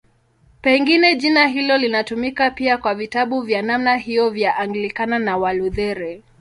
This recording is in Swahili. Pengine jina hilo linatumika pia kwa vitabu vya namna hiyo vya Anglikana na Walutheri.